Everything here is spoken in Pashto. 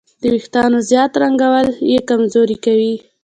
د وېښتیانو زیات رنګول یې کمزوري کوي.